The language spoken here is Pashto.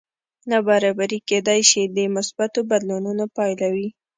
نابرابري کېدی شي د مثبتو بدلونونو پایله وي